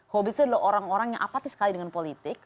hobbits adalah orang orang yang apatis sekali dengan politik